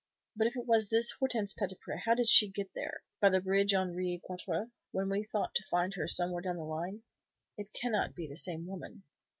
"But if it was this Hortense Petitpré how did she get there, by the bridge Henri Quatre, when we thought to find her somewhere down the line? It cannot be the same woman."